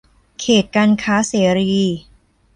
เขตการค้าเสรี